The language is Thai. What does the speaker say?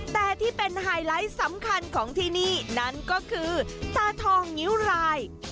แต่ที่เป็นไฮไลท์สำคัญของที่นี่นั่นก็คือตาทองงิ้วราย